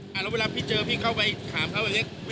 แล้วเวลาพี่เจอพี่เข้าไปถามเขาแบบนี้